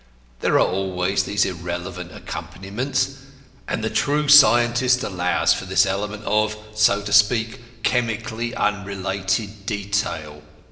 There are always these irrelevant accompaniments, and the true scientist allows for this element of (so to speak) chemically unrelated detail.